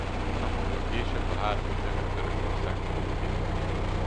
Hónapokkal később a három ügynököt Törökországba küldik.